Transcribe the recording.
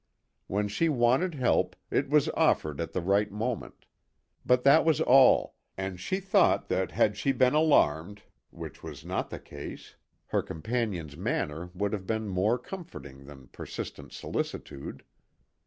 When she wanted help, it was offered at the right moment; but that was all, and she thought that had she been alarmed, which was not the case, her companion's manner would have been more comforting than persistent solicitude.